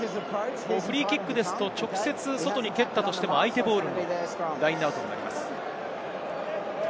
フリーキックですと直接、外に蹴ったとしても、相手ボールのラインアウトになります。